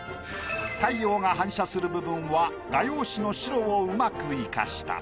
太陽が反射する部分は画用紙の白をうまく活かした。